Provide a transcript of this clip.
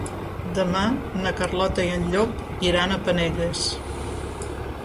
Demà na Carlota i en Llop iran a Penelles.